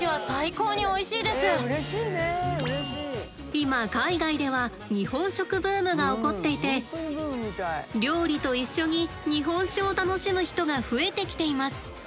今海外では日本食ブームが起こっていて料理と一緒に日本酒を楽しむ人が増えてきています。